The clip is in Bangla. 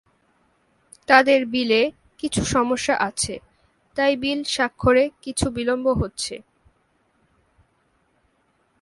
তাঁদের বিলে কিছু সমস্যা আছে, তাই বিল স্বাক্ষরে কিছু বিলম্ব হচ্ছে।